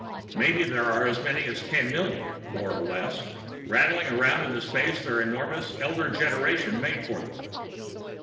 Maybe there are as many as ten million, more or less, rattling around in the space their enormous Elder Generations made for them.